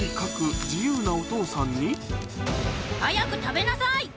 早く食べなさい！